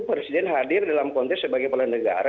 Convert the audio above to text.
presiden hadir dalam konteks sebagai kepala negara